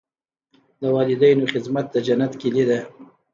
د والدینو خدمت د جنت کلي ده.